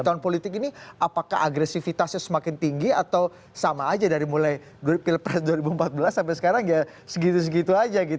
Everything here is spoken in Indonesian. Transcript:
tahun politik ini apakah agresivitasnya semakin tinggi atau sama aja dari mulai pilpres dua ribu empat belas sampai sekarang ya segitu segitu aja